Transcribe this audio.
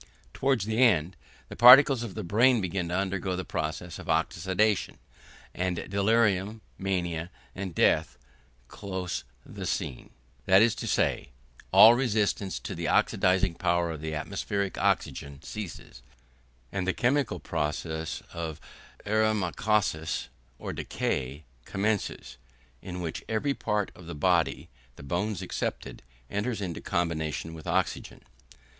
Towards the end, the particles of the brain begin to undergo the process of oxidation, and delirium, mania, and death close the scene; that is to say, all resistance to the oxidising power of the atmospheric oxygen ceases, and the chemical process of eremacausis, or decay, commences, in which every part of the body, the bones excepted, enters into combination with oxygen.